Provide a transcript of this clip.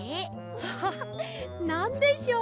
アハハなんでしょう？